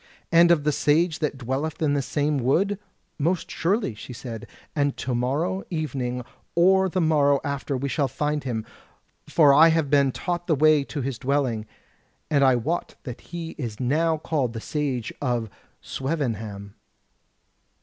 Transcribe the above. "And of the Sage that dwelleth in this same wood?" "Most surely," she said, "and to morrow evening or the morrow after we shall find him; for I have been taught the way to his dwelling; and I wot that he is now called the Sage of Swevenham.